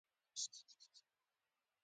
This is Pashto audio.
ډګروال په پیغور وویل چې بوډاتوب قضاوت خرابوي